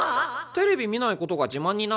テレビ見ないことが自慢になるの？